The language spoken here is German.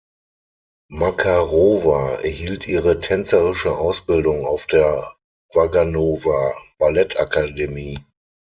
Makarowa erhielt ihre tänzerische Ausbildung auf der Waganowa-Ballettakademie.